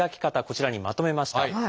こちらにまとめました。